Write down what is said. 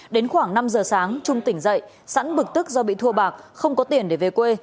đến khoảng năm giờ sáng trung tỉnh dậy sẵn bực tức do bị thua bạc không có tiền để về quê